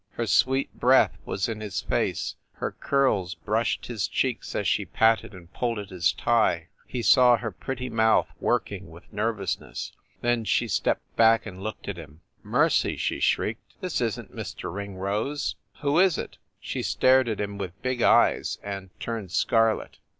Her sweet breath was in his face, her curls brushed his cheeks as she patted and pulled at his tie. He saw her pretty mouth working with nervousness. Then she stepped back and looked at him. "Mercy!" she shrieked, "this isn t Mr. Ringrose! Who is it?" She stared at him with big eyes, and turned scarlet.